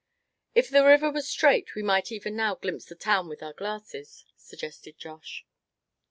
"If the river was straight we might even now glimpse the town with our glasses," suggested Josh.